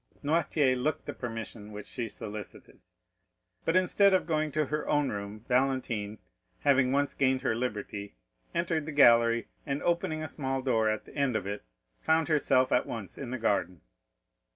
Noirtier looked the permission which she solicited. But instead of going to her own room, Valentine, having once gained her liberty, entered the gallery, and, opening a small door at the end of it, found herself at once in the garden.